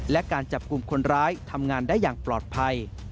และการจับกลุ่มคนร้ายทำงานได้อย่างปลอดภัย